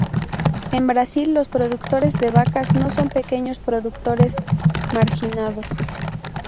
En Brasil, los productores de vacas no son pequeños productores marginados.